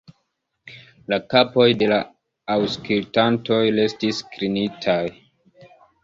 La kapoj de la aŭskultantoj restis klinitaj.